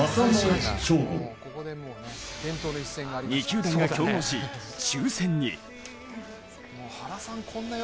２球団が競合し、抽選に。